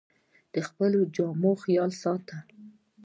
د خپلو جامو خیال ساته